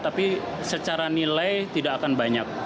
tapi secara nilai tidak akan banyak